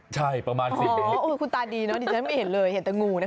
ใช่ประมาณ๑๐เมตรคุณตาดีนะดิฉันไม่เห็นเลยเห็นแต่งูนะ